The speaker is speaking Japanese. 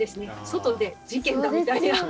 外で事件だみたいな。